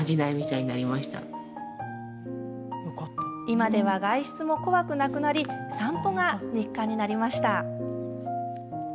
今では外出も怖くなくなり散歩が日課になりました。